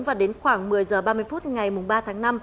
và đến khoảng một mươi h ba mươi phút ngày ba tháng năm